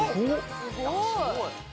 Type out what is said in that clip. すごい！